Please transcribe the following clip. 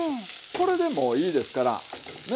これでもういいですからね。